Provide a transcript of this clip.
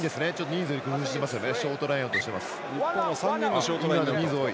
人数を工夫していますよね。